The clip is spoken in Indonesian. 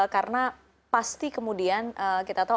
karena pasti kemudian kita tahu